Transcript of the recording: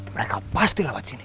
mereka pasti lewat sini